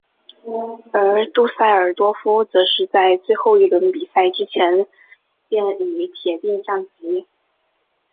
而杜塞尔多夫则是在最后一轮比赛之前便已铁定降级。